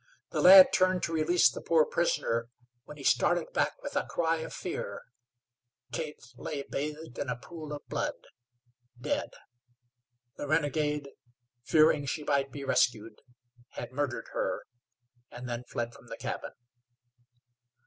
The lad turned to release the poor prisoner, when he started back with a cry of fear. Kate lay bathed in a pool of blood dead. The renegade, fearing she might be rescued, had murdered her, and then fled from the cabin.